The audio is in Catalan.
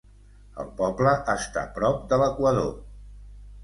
El poble està prop de l'equador.